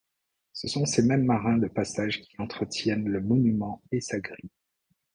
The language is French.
Ce sont ces mêmes marins de passage qui entretiennent le monument et sa grille.